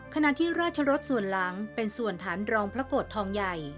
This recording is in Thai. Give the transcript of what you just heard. ขณะที่ราชรสส่วนหลังเป็นส่วนฐานรองพระโกรธทองใหญ่